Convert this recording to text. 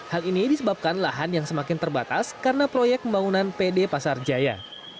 hal ini disebabkan lahan yang semakin terbatas karena proyek pembangunan pd pasar jaya